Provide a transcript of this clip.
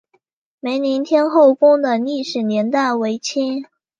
梅林天后宫的历史年代为清。